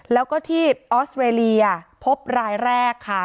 แล้วก็ที่ออสเตรเลียพบรายแรกค่ะ